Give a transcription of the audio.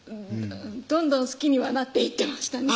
どんどん好きにはなっていってましたね